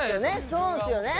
そうですよね・